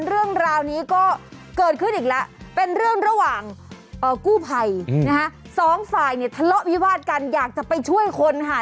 เรื่องราวนี้ก็เกิดขึ้นอีกแล้วเป็นเรื่องระหว่างกู้ภัยนะฮะสองฝ่ายเนี่ยทะเลาะวิวาดกันอยากจะไปช่วยคนค่ะ